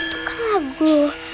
itu kan lagu